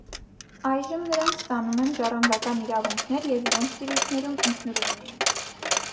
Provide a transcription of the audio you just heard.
Այժմ նրանք ստանում են ժառանգական իրավունքներ և իրենց տիրույթներում ինքնուրույն էին։